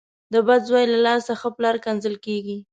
د بد زوی له لاسه ښه پلار کنځل کېږي.